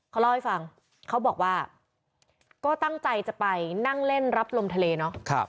เขาเล่าให้ฟังเขาบอกว่าก็ตั้งใจจะไปนั่งเล่นรับลมทะเลเนาะ